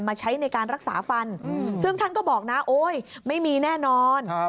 ใช้ในการรักษาฟันซึ่งท่านก็บอกนะโอ๊ยไม่มีแน่นอน